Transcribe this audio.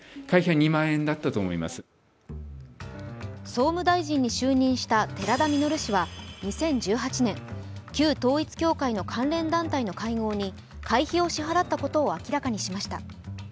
総務大臣に就任した寺田稔氏は２０１８年、旧統一教会の関連団体の会合に会費を支払ったことを明らかにしました。